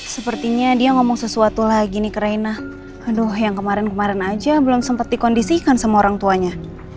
sepertinya dia ngomong sesuatu lagi nih ke raina aduh yang kemarin kemarin aja belum sempat dikondisikan sama orang tuanya